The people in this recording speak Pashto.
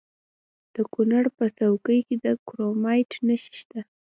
د کونړ په څوکۍ کې د کرومایټ نښې شته.